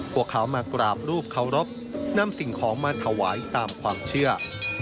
พวกเขามากราบรูปเคารพนำสิ่งของมาถวายตามความเชื่อ